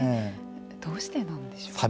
どうしてなんでしょうか。